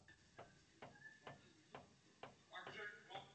Původní francouzský název se překládá jako "jemná síť".